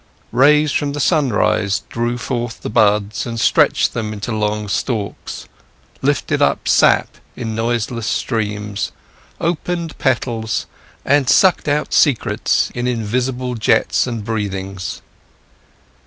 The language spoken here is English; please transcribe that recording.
Rays from the sunrise drew forth the buds and stretched them into long stalks, lifted up sap in noiseless streams, opened petals, and sucked out scents in invisible jets and breathings.